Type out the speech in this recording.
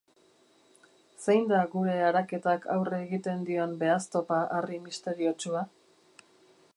Zein da gure araketak aurre egiten dion behaztopa-harri misteriotsua?